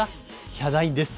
ヒャダインです。